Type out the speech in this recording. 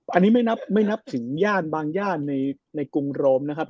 อันนี้ไม่นับถึงบางย่านในกรุงโรมนะครับ